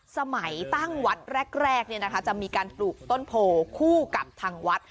สมัยตั้งวัดแรกจะมีการปลูกต้นโพคู่กับทางวัด